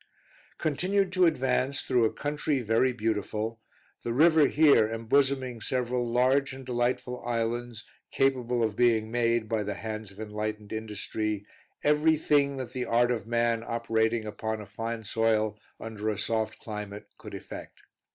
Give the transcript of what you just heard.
Continued to advance, through a country very beautiful, the river here embosoming several large and delightful islands, capable of being made, by the hands of enlightened industry, every thing that the art of man operating upon a fine soil under a soft climate could effect.